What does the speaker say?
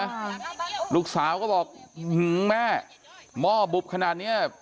เอาหม้อเนี่ยมาตีหัวแม่เลยนะลูกสาวก็บอกหึงแม่หม้อบุบขนาดเนี่ย